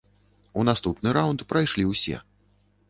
У наступны раўнд прайшлі ўсе.